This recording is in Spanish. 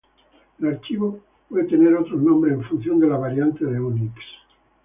El archivo puede tener otros nombres en función de la variante de Unix.